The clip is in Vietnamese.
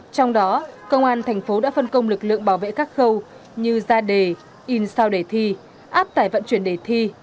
trong đó công an thành phố đã phân công lực lượng bảo vệ các khâu như ra đề in sao đề thi áp tải vận chuyển đề thi